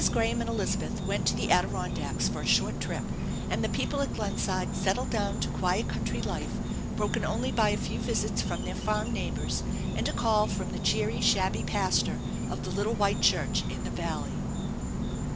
Graham and Elizabeth went to the Adiron dacks for a short trip, and the people at Glenside settled down to quiet country life, broken only by a few visits from their farm neighbors, and a call from the cheery, shabby pastor of +.he little white church in the valley.